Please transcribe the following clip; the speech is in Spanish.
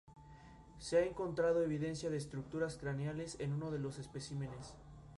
Se ha encontrado evidencia de estructuras craneales en uno de los especímenes.